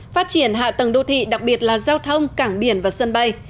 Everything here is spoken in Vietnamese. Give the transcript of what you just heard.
phát triển hạ tầng đô thị đặc biệt là giao thông cảng biển và sân bay